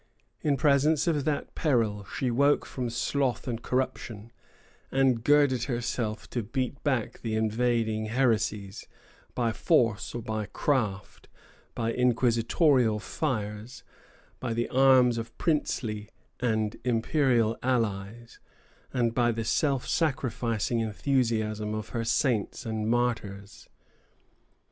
In presence of that peril she woke from sloth and corruption, and girded herself to beat back the invading heresies, by force or by craft, by inquisitorial fires, by the arms of princely and imperial allies, and by the self sacrificing enthusiasm of her saints and martyrs.